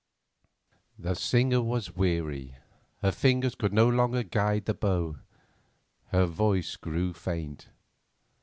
The singer was weary; her fingers could no longer guide the bow; her voice grew faint.